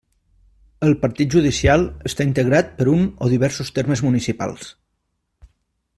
El partit judicial està integrat per un o diversos termes municipals.